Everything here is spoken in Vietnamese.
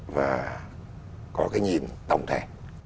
và có cái nhìn tổng thể